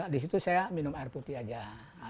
di situ saya minum air putih aja